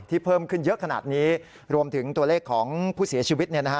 เพิ่มขึ้นเยอะขนาดนี้รวมถึงตัวเลขของผู้เสียชีวิตเนี่ยนะฮะ